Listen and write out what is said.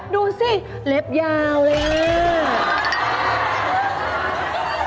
ดูสิเล็บยาวเลย